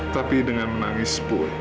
tapi dengan menangis pun